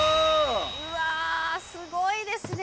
うわすごいですね